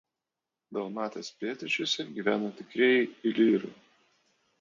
Dalmatijos pietryčiuose gyveno „tikrieji ilyrai“.